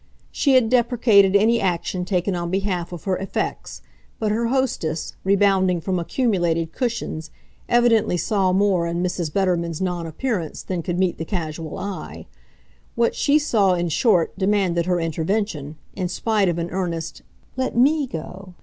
She had deprecated any action taken on behalf of her effects; but her hostess, rebounding from accumulated cushions, evidently saw more in Mrs. Betterman's non appearance than could meet the casual eye. What she saw, in short, demanded her intervention, in spite of an earnest "Let ME go!"